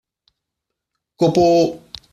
¡ copo!